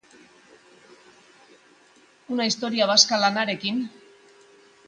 Una historia vasca lanarekin.